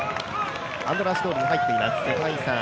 アンドラーシ通りに入っています。